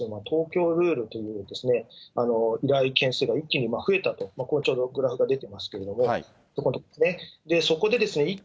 東京ルールという、依頼件数が一気に増えたと、グラフが出てますけれども、そこのところですね。